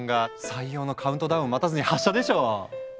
採用のカウントダウンを待たずに発射でしょう！